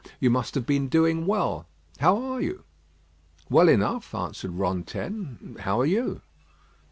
You must have been doing well. How are you?" "Well enough," answered Rantaine. "How are you?"